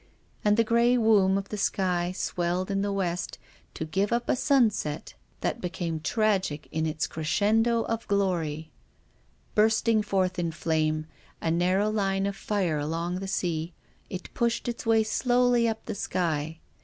And llie grey womb of the sky swelled in the west to give uj) a sunset that became tragic in its crescendo of glory. Bursting 70 TONGUES OF CONSCIENCE. forth in flame — a narrow line of fire along the sea — it pushed its way slowly up the sky.